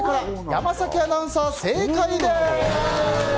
山崎アナウンサー、正解です。